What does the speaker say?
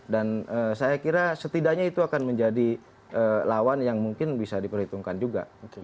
dan saya kira setidaknya itu akan menjadi lawan yang mungkin bisa diperhitungkan juga